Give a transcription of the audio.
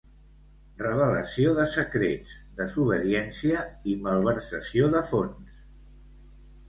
Revelació de secrets, desobediència i malversació de fons.